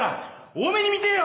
大目に見てよ！